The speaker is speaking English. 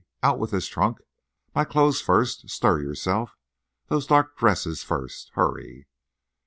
Out with this trunk. My clothes first. Stir yourself. Those dark dresses first. Hurry."